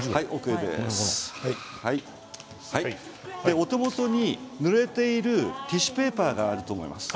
お手元に、ぬれているティッシュペーパーがあると思います。